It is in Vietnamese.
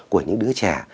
của những đứa trẻ